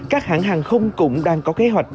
các hãng hàng không cũng đang có kế hoạch